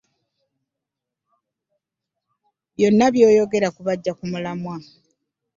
Byonna byogera kubaggya ku mulamwa.